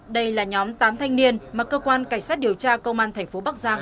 đây là nhóm tám thanh niên mà cơ quan cảnh sát điều tra công an thành phố bắc giang